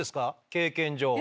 経験上。